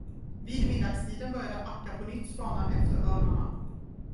Vid middagstiden började Akka på nytt spana efter örnarna.